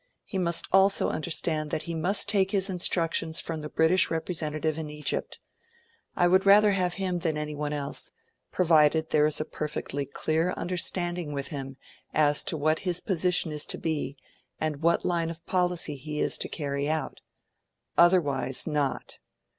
He must also understand that he must take his instructions from the British representative in Egypt ... I would rather have him than anyone else, provided there is a perfectly clear understanding with him as to what his position is to be and what line of policy he is to carry out. Otherwise, not